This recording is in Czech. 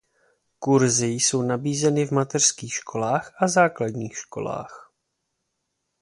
Kurzy jsou nabízeny v mateřských školách a základní školách.